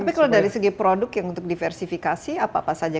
tapi kalau dari segi produk yang untuk diversifikasi apa apa saja